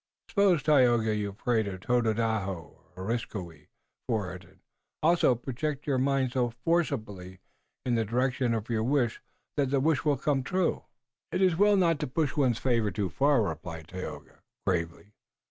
Suppose, Tayoga, you pray to Tododaho and Areskoui for it and also project your mind so forcibly in the direction of your wish that the wish will come true." "It is well not to push one's favor too far," replied Tayoga gravely.